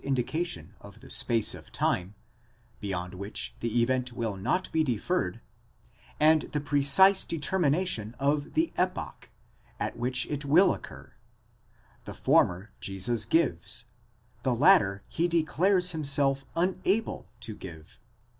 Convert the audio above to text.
indication of the space of time, beyond which the event will not be deferred (γενεὰ), and the precise determination of the epoch (ἡμέρα καὶ dpa) at which it will occur ; the former Jesus gives, the latter he declares himself unable to give.!